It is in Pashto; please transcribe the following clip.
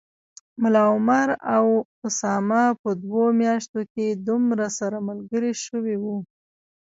ملا عمر او اسامه په دوو میاشتو کي دومره سره ملګري شوي و